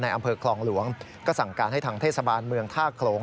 อำเภอคลองหลวงก็สั่งการให้ทางเทศบาลเมืองท่าโขลง